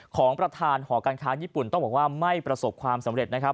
ของประธานหอการค้าญี่ปุ่นต้องบอกว่าไม่ประสบความสำเร็จนะครับ